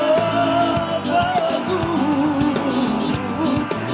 seberi bunga jalanku yang tumbuh untuk diriku